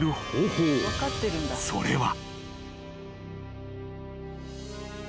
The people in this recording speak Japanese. ［それは］